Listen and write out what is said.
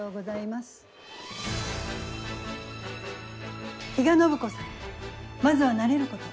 まずは慣れること。